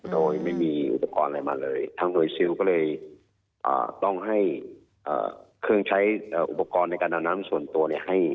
โดยไม่มีอุปกรณ์อะไรมาเลยทางหน่วยซิลก็เลยต้องให้เครื่องใช้อุปกรณ์ในการเอาน้ำส่วนตัวเนี่ยให้